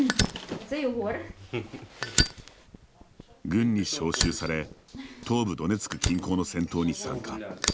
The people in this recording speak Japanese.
軍に招集され東部ドネツク近郊の戦闘に参加。